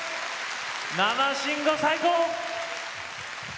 生慎吾、最高！